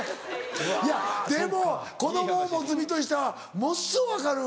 いやでも子供を持つ身としてはものすごい分かる。